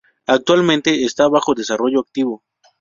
Actualmente está bajo desarrollo activo.